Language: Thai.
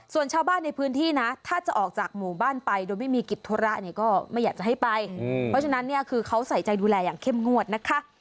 ส่วนชาวบ้านในพื้นที่นะถ้าจะออกจากหมู่บ้านไปโดยไม่มีกิจธุระเนี่ยก็ไม่อยากจะให้ไปเพราะฉะนั้นเนี่ยคือเขาใส่ใจดูแลอย่างเข้มงวดนะคะ